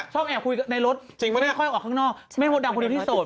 ชอบแอบคุยในรถค่อยออกข้างนอกแม่ดังคุยด้วยที่โสด